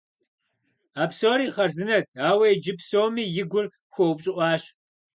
А псори хъарзынэт, ауэ иджы псоми и гур хуэупщӏыӏуащ.